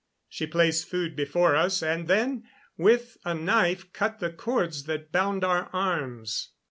She placed food before us, and then, with a knife, cut the cords that bound our arms.